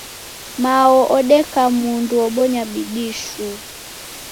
Mao odeka mundu obonya bidii shuu.